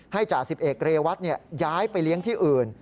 จ่าสิบเอกเรวัตย้ายไปเลี้ยงที่อื่น